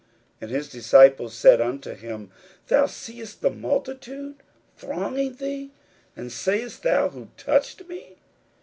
41:005:031 And his disciples said unto him, Thou seest the multitude thronging thee, and sayest thou, Who touched me?